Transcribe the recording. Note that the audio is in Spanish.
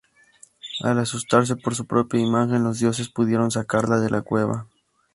Al asustarse por su propia imagen, los dioses pudieron sacarla de la cueva.